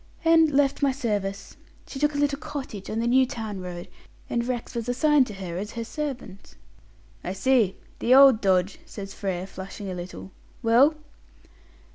"And left my service. She took a little cottage on the New Town road, and Rex was assigned to her as her servant." "I see. The old dodge!" says Frere, flushing a little. "Well?"